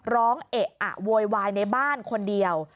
เอะอะโวยวายในบ้านคนเดียว